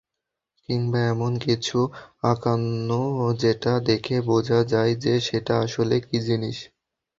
কিংবা এমন কিছু আঁকানো যেটা দেখে বোঝা যায় যে, সেটা আসলে কী জিনিস।